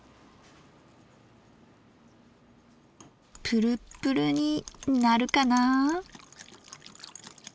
プルプルになるかな。